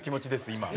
今。